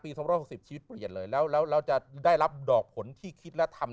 ๒๖๐ชีวิตเปลี่ยนเลยแล้วเราจะได้รับดอกผลที่คิดและทำ